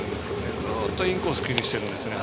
ずっとインコース気にしてるんですよね。